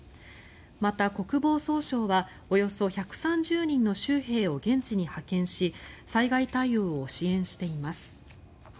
また、国防総省はおよそ１３０人の州兵を現地に派遣して災害対応を支援しています。